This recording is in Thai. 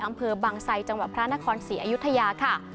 อำเภอบางไซจังหวัดพระนครศรีอยุธยาค่ะ